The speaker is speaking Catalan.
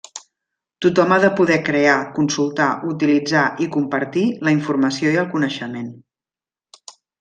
Tothom ha de poder crear, consultar, utilitzar i compartir la informació i el coneixement.